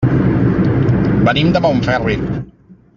Venim de Montferri.